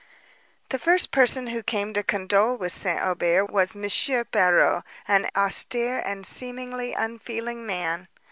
The first person who came to condole with St. Aubert was a M. Barreaux, an austere and seemingly unfeeling man.